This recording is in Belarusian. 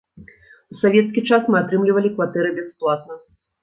У савецкі час мы атрымлівалі кватэры бясплатна.